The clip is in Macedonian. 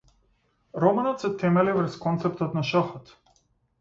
Романот се темели врз концептот на шахот.